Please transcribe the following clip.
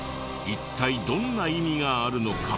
一体どんな意味があるのか？